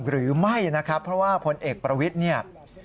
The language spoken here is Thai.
หรือไม่นะครับเพราะว่าพลเอกประวิทย์เนี่ย